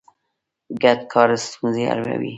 ګډ کار ستونزې حلوي.